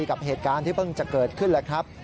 กับเหตุการณ์ที่เพิ่งจะเกิดขึ้นแหละครับ